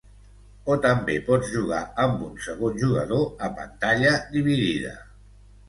O també pots jugar amb un segon jugador a pantalla dividida.